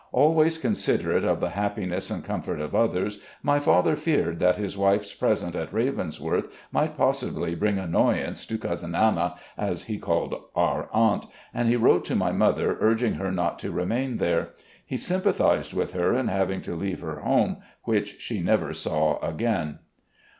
Always con siderate of the happiness and comfort of others, my father feared that his wife's presence at Ravensworth might possibly bring annoyance to "Cousin Anna," as he called our aunt, and he wrote to my mother, urging her not to remain there. He sympathised with her in having to leave her home, which she never saw again.